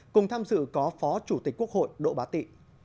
cùng tham dự có phó chủ tịch quốc hội đỗ bá tị